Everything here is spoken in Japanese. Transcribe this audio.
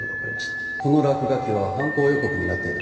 この落書きは犯行予告になっていると？